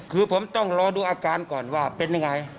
คือผมต้องรอดูอาการก่อนว่าเป็นยังไง